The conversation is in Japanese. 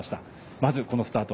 まず、このスタート。